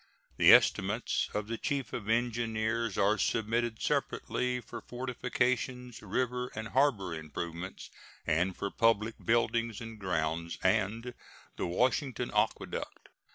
The estimates of the Chief of Engineers are submitted separately for fortifications, river and harbor improvements, and for public buildings and grounds and the Washington Aqueduct.